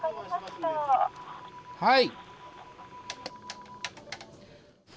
はい。